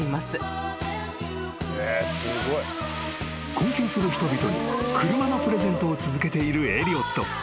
［困窮する人々に車のプレゼントを続けているエリオット］